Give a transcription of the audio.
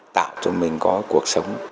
tạo cho mình có cuộc sống